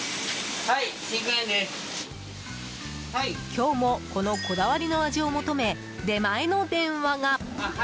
今日もこのこだわりの味を求め出前の電話が。